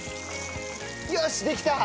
よしできた！